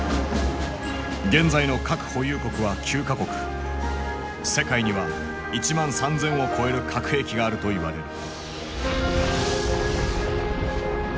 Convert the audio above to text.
現在の世界には１万３，０００を超える核兵器があると言われる。